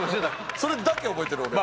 それだけ覚えてる俺は。